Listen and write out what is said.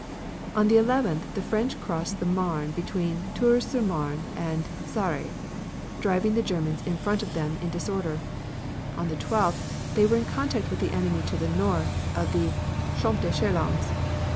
On the 11th the French crossed the Marne between Tours sur Marne and Sarry, driving the Germans in front of them in disorder. On the 12th they were in contact with the enemy to the north of the Camp de Chalons.